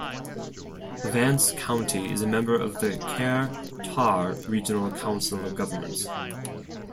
Vance County is a member of the Kerr-Tar Regional Council of Governments.